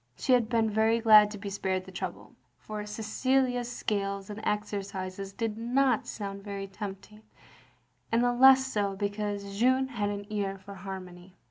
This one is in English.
She had been very glad to be spared the trouble, for Cecilia's scales and exercises did not sotind very tempting, and the less so because Jeanne had an ear for harmony.